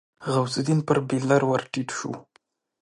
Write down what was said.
غوث الدين پر بېلر ور ټيټ شو.